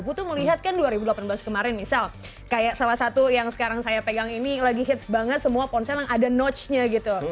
butuh melihat kan dua ribu delapan belas kemarin misal kayak salah satu yang sekarang saya pegang ini lagi hits banget semua ponsel yang ada notch nya gitu